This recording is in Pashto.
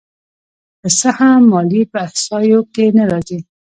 که څه هم ماليې په احصایو کې نه راځي